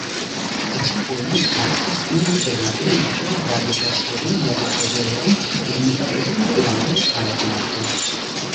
Ĝin oni taksas unu el la plej gravaj prahistoriaj trovejoj en Rejnlando-Palatinato.